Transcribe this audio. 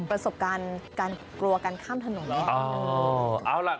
เราจะข้างทางมาลายนี้ไปด้วยกันครับ